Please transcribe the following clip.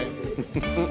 フフフ！